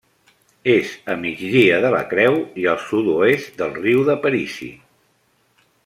És a migdia de la Creu i al sud-oest del Riu d'Aparici.